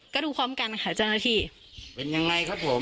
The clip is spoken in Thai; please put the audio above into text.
ก็ดูพร้อมกันนะคะไม่กี่นาที